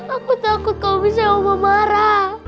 aku takut kalau bisa omomara